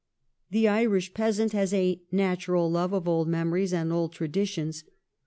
The Irish peasant has a natural love of old memories and old traditions.